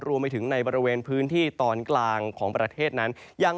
รวมไปถึงในบริเวณพื้นที่ตอนกลางของประเทศนั้นยัง